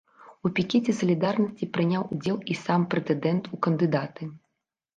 У пікеце салідарнасці прыняў удзел і сам прэтэндэнт у кандыдаты.